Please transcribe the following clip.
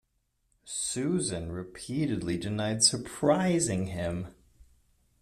Susan repeatedly denied surprising him.